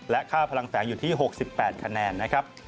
ค่าพลังแสงอยู่ที่๖๘คะแนนนะครับ